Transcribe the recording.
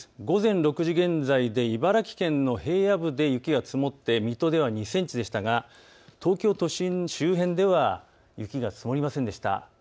午前６時現在で茨城県の平野部で雪が積もって水戸では２センチでしたが東京都心周辺では雪が積もりませんでした。